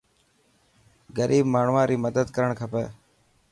غريب ماڻهوان ري مدد ڪرڻ کپي.